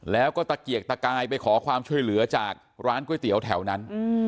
แล้วก็ตะเกียกตะกายไปขอความช่วยเหลือจากร้านก๋วยเตี๋ยวแถวนั้น